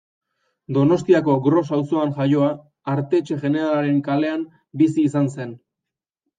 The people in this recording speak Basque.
Donostiako Gros auzoan jaioa, Artetxe Jeneralaren kalean bizi izan zen.